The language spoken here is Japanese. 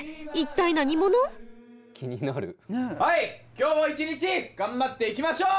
今日も一日頑張っていきましょう！